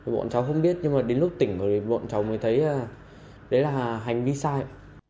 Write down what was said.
bọn cháu không biết nhưng mà đến lúc tỉnh bọn cháu mới thấy đấy là hành vi sai